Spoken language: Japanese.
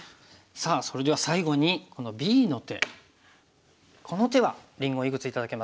さあそれでは最後にこのＢの手この手はりんごいくつ頂けますか？